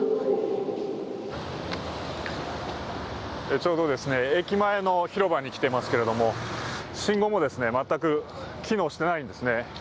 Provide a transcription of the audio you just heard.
ちょうど駅前の広場に来ていますけれども、信号も全く機能していないんですね。